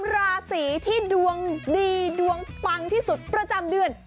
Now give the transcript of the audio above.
ราศีที่ดวงดีดวงปังที่สุดประจำเดือน